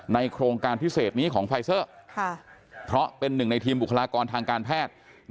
โครงการพิเศษนี้ของไฟเซอร์เพราะเป็นหนึ่งในทีมบุคลากรทางการแพทย์